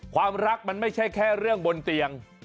ความรักมันไม่ใช่แค่เรื่องบนเตียง